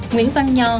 nguyễn văn nho